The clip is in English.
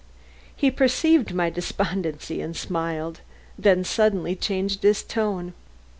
He perceived my despondency and smiled; then suddenly changed his tone.